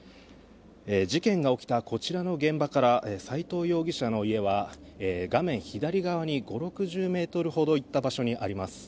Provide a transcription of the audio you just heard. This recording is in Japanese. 事件が起きたこちらの現場から斎藤容疑者の家は画面左側に５０６０ｍほど行った場所にあります。